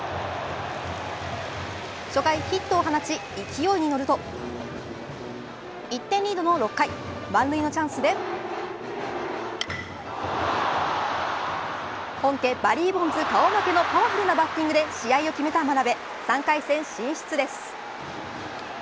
初回、ヒットを放ち勢いに乗ると１点リードの６回満塁のチャンスで本家バリー・ボンズ顔負けのパワフルなバッティングで試合を決めた真鍋３回戦進出です。